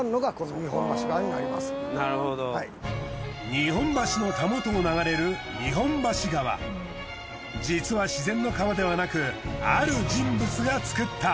日本橋のたもとを流れる実は自然の川ではなくある人物が造った。